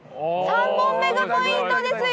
３本目がポイントですよ！